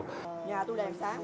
nhà tu đèn sáng hết